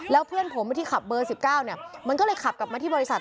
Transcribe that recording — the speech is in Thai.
แล้วเพื่อนผมที่ขับเบอร์๑๙มันก็เลยขับกลับมาที่บริษัท